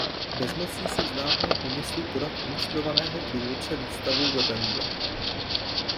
Bezmocně se vzdávám úmyslu podat ilustrovaného průvodce výstavou ve Wembley.